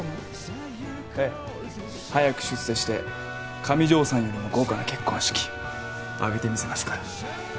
ええ。早く出世して上條さんよりも豪華な結婚式挙げてみせますから。